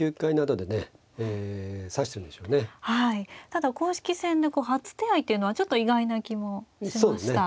ただ公式戦で初手合いというのはちょっと意外な気もしました。